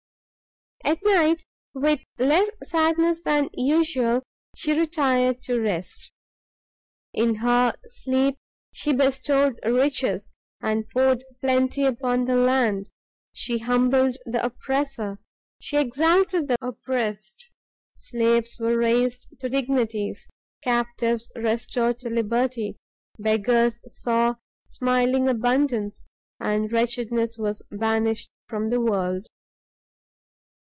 At night, with less sadness than usual, she retired to rest. In her sleep she bestowed riches, and poured plenty upon the land; she humbled the oppressor, she exalted the oppressed; slaves were raised to dignities, captives restored to liberty; beggars saw smiling abundance, and wretchedness was banished the world.